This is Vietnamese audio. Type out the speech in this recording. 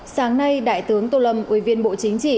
sáng nay đại tướng tô lâm ubch